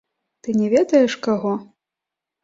Ты не ведаеш каго?